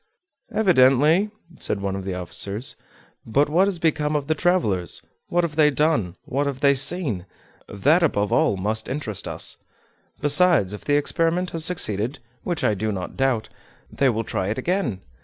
"Evidently," said one of the officers; "but what has become of the travelers? what they have done, what they have seen, that above all must interest us. Besides, if the experiment has succeeded (which I do not doubt), they will try it again.